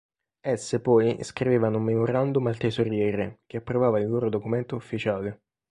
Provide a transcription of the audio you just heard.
Esse poi scrivevano un memorandum al tesoriere che approvava il loro documento ufficiale.